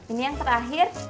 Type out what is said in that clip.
ini yang terakhir